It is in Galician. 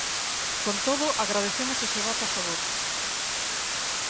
Con todo, agradecemos ese voto a favor.